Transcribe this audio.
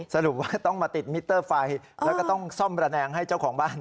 สรุปว่าต้องมาติดมิเตอร์ไฟแล้วก็ต้องซ่อมระแนงให้เจ้าของบ้าน